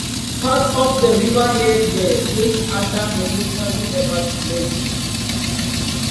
Parts of Riverhead were placed under mandatory evacuation.